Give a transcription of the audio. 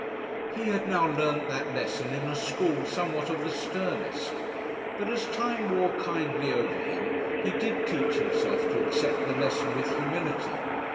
He had now learnt that lesson in a school somewhat of the sternest; but, as time wore kindly over him, he did teach himself to accept the lesson with humility.